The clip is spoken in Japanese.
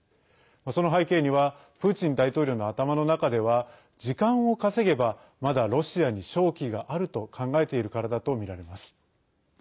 その背景にはプーチン大統領の頭の中では時間を稼げば、まだロシアに勝機があると考えているからだとみられます。